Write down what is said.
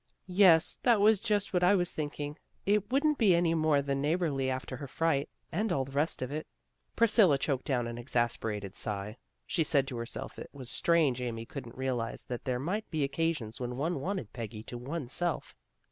" Yes, that was just what I was thinking. It wouldn't be any more than neighborly after her fright, and all the rest of it." Priscilla choked down an exasperated sigh. She said to herself it was strange Amy couldn't realize that there might be occasions when one wanted Peggy to one's self.